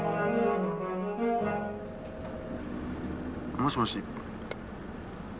もしもし。